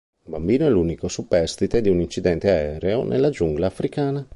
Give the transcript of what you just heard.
Un bambino è l'unico superstite di un incidente aereo nella giungla africana.